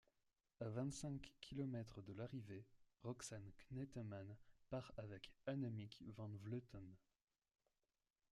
À vingt-cinq kilomètres de l'arrivée, Roxane Knetemann part avec Annemiek van Vleuten.